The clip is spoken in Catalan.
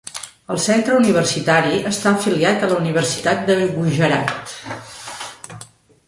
El centre universitari està afiliat a la Universitat de Gujarat.